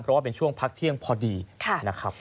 เพราะว่าเป็นช่วงพักเที่ยงพอดีนะครับ